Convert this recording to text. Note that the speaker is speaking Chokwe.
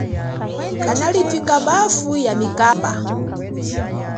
Kanali thwika bafu ya mikamba.